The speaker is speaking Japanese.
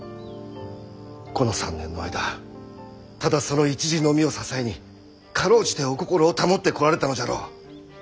この３年の間ただその一事のみを支えに辛うじてお心を保ってこられたのじゃろう。